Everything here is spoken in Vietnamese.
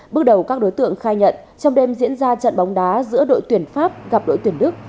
bước đầu các đối tượng khai nhận trong đêm diễn ra trận bóng đá giữa đội tuyển pháp gặp đội tuyển đức